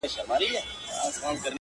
ستـا له خندا سره خبري كـوم,